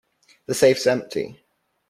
The safe's empty.